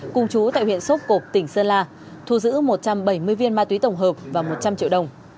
cùng chú tại huyện sốp cộp tỉnh sơn la thu giữ một trăm bảy mươi viên ma túy tổng hợp và một trăm linh triệu đồng